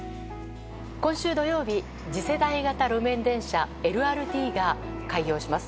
今週土曜日次世代型路面電車・ＬＲＴが開業します。